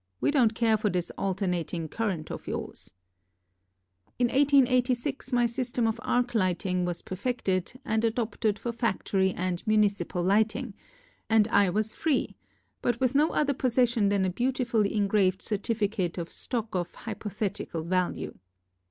We don't care for this alternating current of yours." In 1886 my system of arc light ing was perfected and adopted for factory and municipal lighting, and I was free, but with no other possession than a beautifully engraved certificate of stock of hypothetical value.